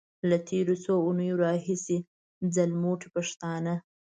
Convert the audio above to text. له تېرو څو اونيو راهيسې ځلموټي پښتانه.